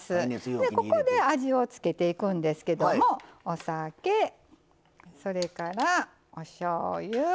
ここで味を付けていくんですけどもお酒それからおしょうゆ。